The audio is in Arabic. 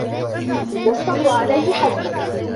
وَالصَّبْرَ عَلَيْهِ حَزْمًا